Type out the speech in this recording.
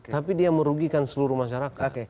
tapi dia merugikan seluruh masyarakat